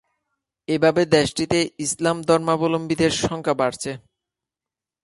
এভাবে দেশটিতে ইসলাম ধর্মাবলম্বীদের সংখ্যা বাড়ছে।